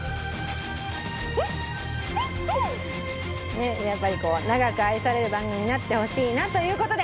ねっやっぱりこう長く愛される番組になってほしいなという事で。